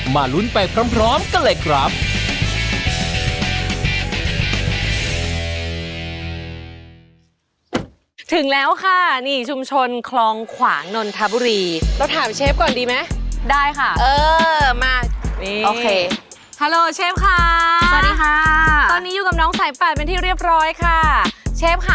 มาลุ้นไปพร้อมกันเลยครับ